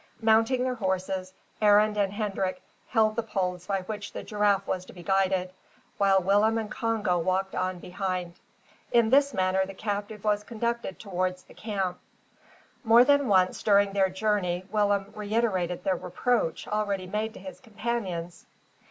Mounting their horses, Arend and Hendrik held the poles by which the giraffe was to be guided, while Willem and Congo walked on behind. In this manner the captive was conducted towards the camp. More than once during their journey Willem reiterated the reproach already made to his companions.